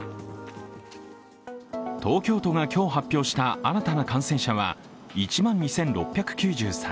東京都が今日発表した新たな感染者は１万２６９３人。